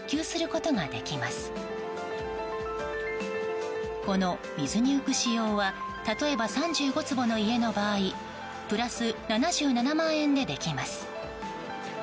この水に浮く仕様は例えば３５坪の家の場合プラス７７万円でできます。